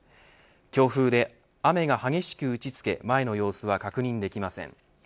強風で雨が激しく打ち付け前の様子は確認できません。